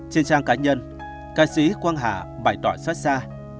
trên trang cá nhân ca sĩ quang hà bày tỏ xót xa